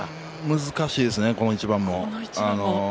難しいですね、この一番も。